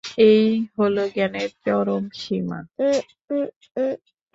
এই হল জ্ঞানের চরম সীমা।